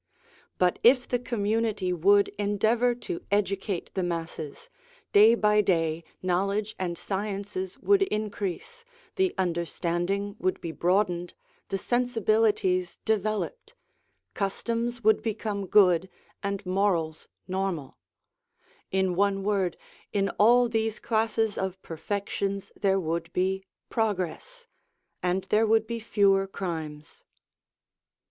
But if the community would endeavour to educate the masses, day by day knowledge and sciences would increase, the understanding would be broadened, the sensibilities developed, customs would become good, and morals normal; in one word, in all these classes of perfections there would be progress, and there would be fewer crimes.